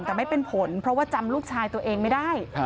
แต่ไม่เป็นผลเพราะว่าจำลูกชายตัวเองไม่ได้